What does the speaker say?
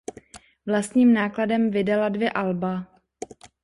Vlastním nákladem vydala dvě alba.